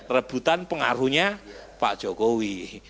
rebutan pengaruhnya pak jokowi